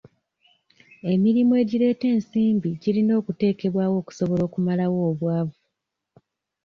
Emirimu egireeta ensimbi girina okuteekebwawo okusobola okumalawo obwavu.